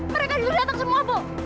mereka sudah datang semua bu